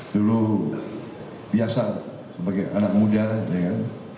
dulu biasa sebagai anak muda